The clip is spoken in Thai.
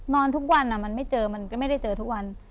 นอนทุกวันมันไม่เจอมันก็ไม่ได้เจอทุกวัน